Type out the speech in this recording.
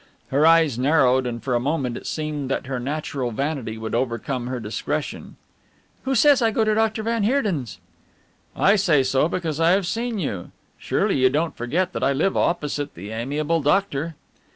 Her eyes narrowed and for a moment it seemed that her natural vanity would overcome her discretion. "Who says I go to Doctor van Heerden's?" "I say so, because I have seen you. Surely you don't forget that I live opposite the amiable doctor?"